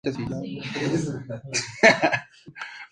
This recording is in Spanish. El embrión puede observarse y medirse a las cinco semanas y media.